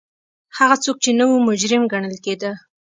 هغه څوک چې نه وو مجرم ګڼل کېده